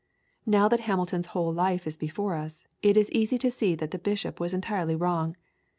Now that Hamilton's whole life is before us, it is easy to see that the bishop was entirely wrong.